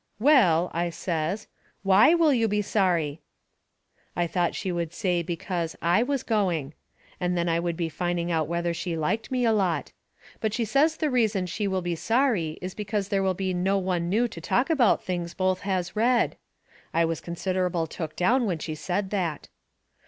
"Well," I says, "WHY will you be sorry?" I thought she would say because I was going. And then I would be finding out whether she liked me a lot. But she says the reason she will be sorry is because there will be no one new to talk to about things both has read. I was considerable took down when she said that.